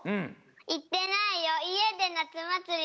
いってないよ。